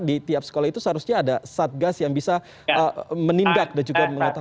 di tiap sekolah itu seharusnya ada satgas yang bisa menindak dan juga mengatakan